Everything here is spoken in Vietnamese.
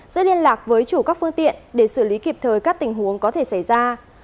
giữ liên lạc với chủ các phương tiện để xử lý kịp thời các tình huống có thể xảy ra